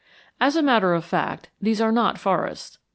As a matter of fact, these are not forests.